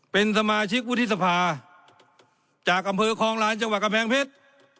เป็นสมาชิกวุฒิสภาจากอำเภอคลองลานจังหวัดกำแพงเพชร